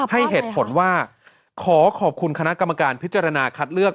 ให้เหตุผลว่าขอขอบคุณคณะกรรมการพิจารณาคัดเลือก